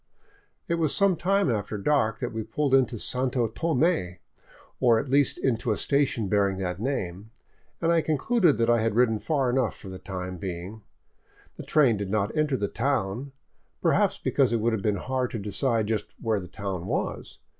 It was some time after dark that we pulled into Santo Tome, or at least into a station bearing that name, and I concluded that I had ridden far enough for the time being. The train did not enter the town, perhaps because it would have been hard to decide just where the town was.